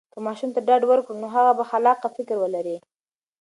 که ماشوم ته ډاډ ورکړو، نو هغه به خلاقه فکر ولري.